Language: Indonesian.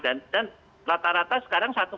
dan rata rata sekarang satu